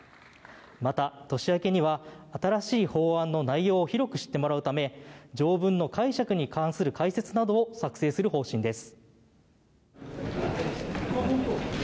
また、年明けには新しい法案の内容を広く知ってもらうため条文の解釈に関する解説などを作成する方針です。